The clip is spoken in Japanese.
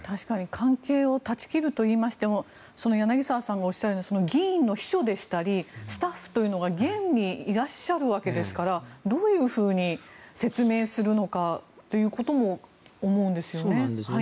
関係を断ち切るといいましても柳澤さんがおっしゃるように議員の秘書でしたりスタッフというのが現にいらっしゃるわけですからどういうふうに説明するのかということも思うんですよね。